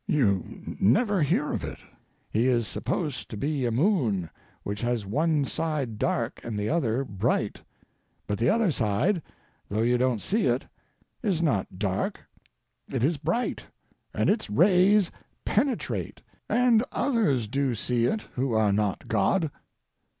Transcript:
You never hear of it. He is supposed to be a moon which has one side dark and the other bright. But the other side, though you don't see it, is not dark; it is bright, and its rays penetrate, and others do see it who are not God.